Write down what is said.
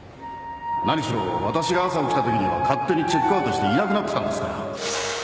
何しろ私が朝起きた時には勝手にチェックアウトしていなくなってたんですから。